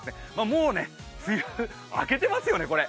もう梅雨、明けてますよね、これ。